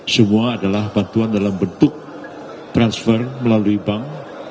semua adalah bantuan dalam bentuk transfer melalui bank